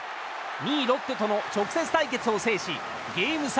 ２位、ロッテとの直接対決を制しゲーム差